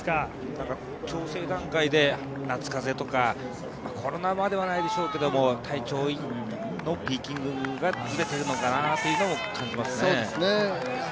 調整段階で夏風邪とか、コロナまではないでしょうけど体調のピーキングがずれているのかなというのは感じますね。